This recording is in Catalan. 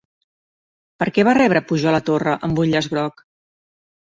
Per què va rebre Pujol a Torra amb un llaç groc?